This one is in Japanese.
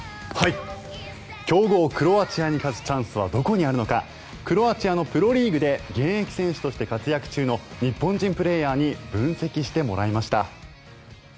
強豪クロアチアに勝つチャンスはどこにあるのかクロアチアのプロリーグで現役選手として活躍中の日本人プレーヤーに分析してもらいました。